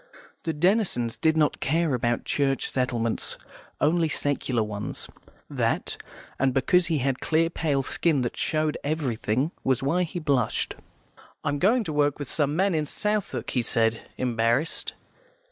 The Denisons did not care about Church settlements, only secular ones; that, and because he had a clear, pale skin that showed everything, was why he blushed. "I'm going to work with some men in Southwark," he said, embarrassed.